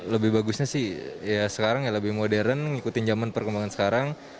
lebih bagusnya sih ya sekarang ya lebih modern ngikutin zaman perkembangan sekarang